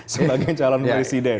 sebagai calon presiden